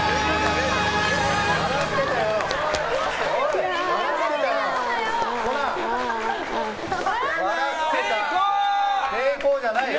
笑ってましたよ！